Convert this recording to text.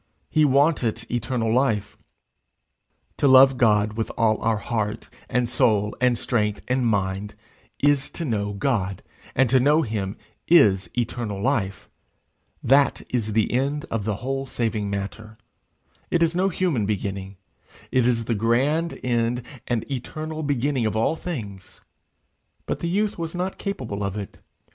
He wanted eternal life: to love God with all our heart, and soul, and strength, and mind, is to know God, and to know him is eternal life; that is the end of the whole saving matter; it is no human beginning, it is the grand end and eternal beginning of all things; but the youth was not capable of it.